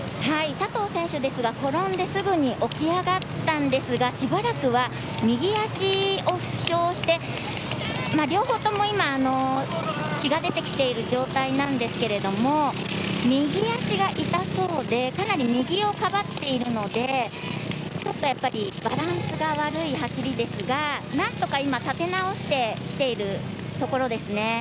佐藤選手ですが転んですぐに起き上がったんですがしばらくは右足を負傷して両方とも今血が出ている状態なんですけど右足が痛そうでかなり右をかばっているのでちょっとやっぱりバランスが悪い走りですが何とか今、立て直してきているところですね。